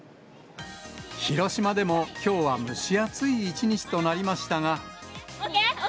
広島でも、きょうは蒸し暑い一日となりましたが。